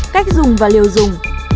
cách dùng và liều dùng